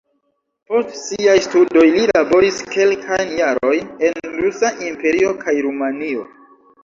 Post siaj studoj li laboris kelkajn jarojn en Rusa Imperio kaj Rumanio.